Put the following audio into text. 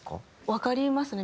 わかりますね。